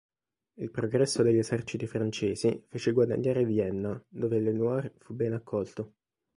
Il progresso degli eserciti francesi fece guadagnare Vienna, dove Lenoir fu ben accolto.